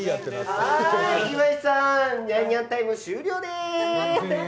岩井さん、ニャンニャンタイム終了です！